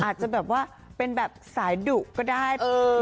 อาจจะแบบว่าเป็นแบบสายดุก็ได้